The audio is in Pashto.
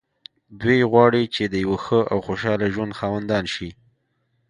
دوی غواړي چې د يوه ښه او خوشحاله ژوند خاوندان شي.